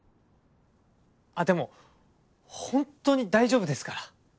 あっでも本当に大丈夫ですから。